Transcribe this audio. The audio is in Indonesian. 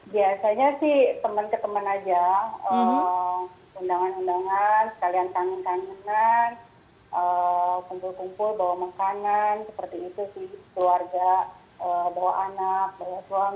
biasanya sih teman ke temen aja undangan undangan sekalian kangen kangenan kumpul kumpul bawa makanan seperti itu sih keluarga bawa anak bawa suami